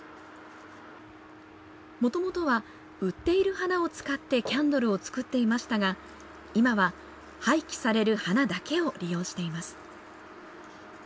もともとは売っている花を使ってキャンドルを作っていましたが今は廃棄される花だけを利用しています。